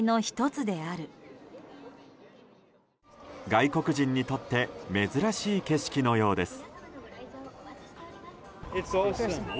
外国人にとって珍しい景色のようです。